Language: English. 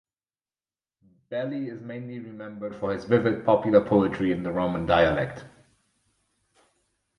Belli is mainly remembered for his vivid popular poetry in the Roman dialect.